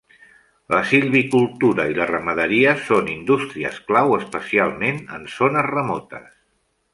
La silvicultura i la ramaderia són indústries clau especialment en zones remotes.